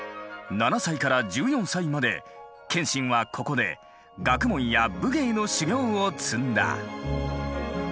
７歳から１４歳まで謙信はここで学問や武芸の修業を積んだ。